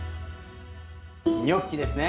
ニョッキですね。